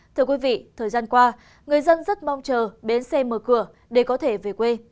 thưa quý vị thời gian qua người dân rất mong chờ bến xe mở cửa để có thể về quê